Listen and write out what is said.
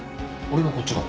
俺はこっちだ。